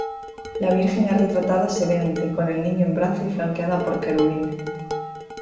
La Virgen es retratada sedente, con el Niño en brazos y flanqueada por querubines.